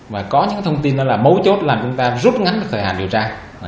và có những thông tin đó là mấu chốt làm chúng ta rút ngắn thời hạn điều tra